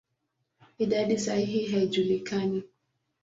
Idadi sahihi haijulikani.